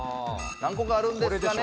何個かあるんですかね